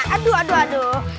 aduh aduh aduh